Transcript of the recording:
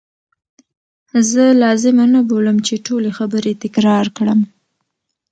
زه لازمه نه بولم چې ټولي خبرې تکرار کړم.